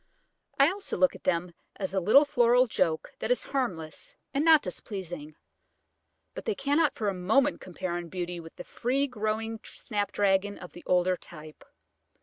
I also look at them as a little floral joke that is harmless and not displeasing, but they cannot for a moment compare in beauty with the free growing Snapdragon of the older type.